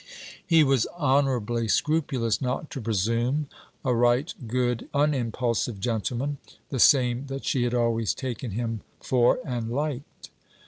He was honourably scrupulous not to presume. A right good unimpulsive gentleman: the same that she had always taken him for and liked.